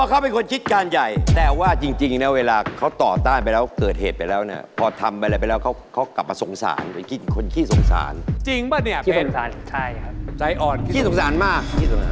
คุณผู้ครับโดยเย็นพี่สังสารพี่สังสารมาก